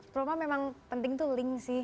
trauma memang penting tuh link sih